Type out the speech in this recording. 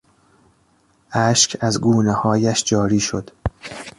اشک از گونههایش جاری شد.